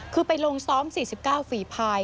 คือไปลงซ้อม๔๙ฝีภาย